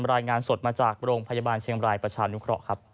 รายงานสดมาจากโรงพยาบาลเชียงบรายประชานุเคราะห์ครับ